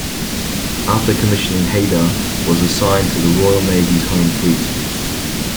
After commissioning "Haida" was assigned to the Royal Navy's Home Fleet.